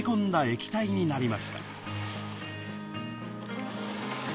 液体になりました。